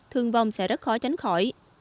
thường vòng sẽ rất khó tránh khỏi